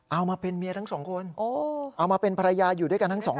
เอามาเป็นเมียทั้งสองคนเอามาเป็นภรรยาอยู่ด้วยกันทั้งสองคน